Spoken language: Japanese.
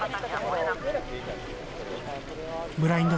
ブラインド